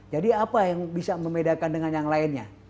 jadi apa yang bisa membedakan dengan yang lainnya